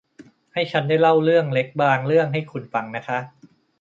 ให้ฉันได้เล่าเรื่องเล็กบางเรื่องให้คุณฟังนะคะ